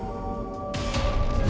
tidak ada yang bisa dipercaya